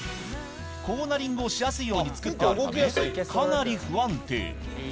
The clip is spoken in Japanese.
コーナリングをしやすいように作ってあるため、かなり不安定。